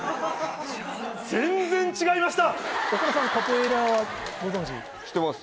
全然違いました！